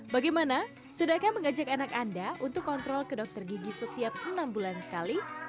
bagaimana sudahkah mengajak anak anda untuk kontrol ke dokter gigi setiap enam bulan sekali